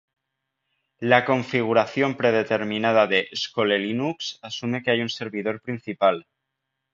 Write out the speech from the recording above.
La configuración predeterminada de Skolelinux asume que hay un servidor principal,